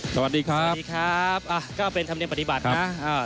สวัสดีครับสวัสดีครับอ่ะก็เป็นธรรมดิบัตินะครับอ่า